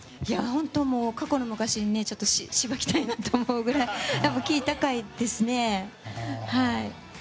本当過去の私をしばきたいなと思うくらい、キー高いですね。